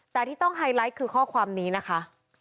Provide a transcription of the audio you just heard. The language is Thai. แต่ที่ต้องไฮไลท์คือข้อความนี้นะคะ